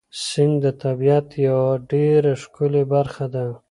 سیند د طبیعت یوه ډېره ښکلې برخه ده.